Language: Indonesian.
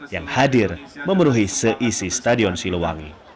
yang hadir memenuhi seisi stadion siluwangi